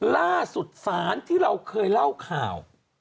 ล่าสุดศาลที่เราเคยเล่าข่าว